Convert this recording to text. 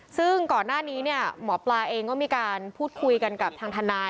ซึ่งก่อนหน้านี้เนี่ยหมอปลาเองก็มีการพูดคุยกันกับทางทนาย